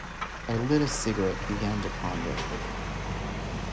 I lit a cigarette and began to ponder.